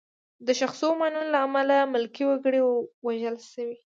د ښخ شوو ماینونو له امله ملکي وګړي وژل شوي.